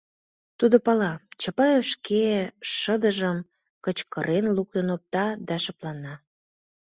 Тудо пала: Чапаев шке шыдыжым кычкырен луктын опта да шыплана.